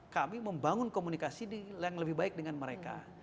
kami membangun komunikasi yang lebih baik dengan mereka